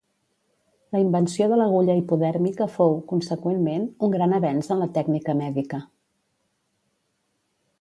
La invenció de l'agulla hipodèrmica fou, conseqüentment, un gran avenç en la tècnica mèdica.